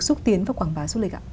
xúc tiến và quảng bá du lịch ạ